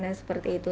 nah seperti itu